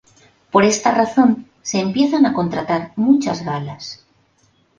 Por esta razón se empiezan a contratar muchas galas.